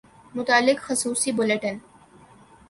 متعلق خصوصی بلیٹن